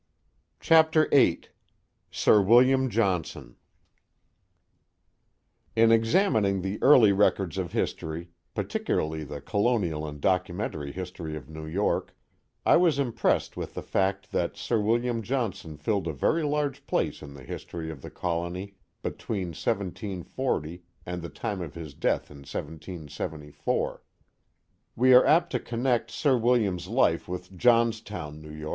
Chapter VIII Sir William Johnson IN examining the early records of history, particularly the colonial and documentary history of New York, I was impressed with the fact that Sir William Johnson filled a very large place in the history of the colony between 1740 and the time of his death in 1774. We are apt to connect Sir William's life with Johnstown, N. Y.